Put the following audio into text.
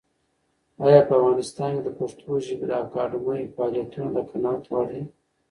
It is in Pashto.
ایا په افغانستان کې د پښتو ژبې د اکاډمۍ فعالیتونه د قناعت وړ دي؟